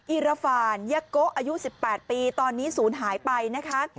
อิราฟานยะโกะอายุ๑๘ปีตอนนี้ศูนย์หายไปนะคะ